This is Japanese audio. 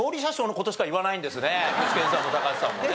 具志堅さんも高橋さんもね。